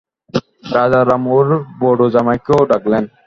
রাজারাম ওঁর বড়ো জামাইকেও ডাকলেন।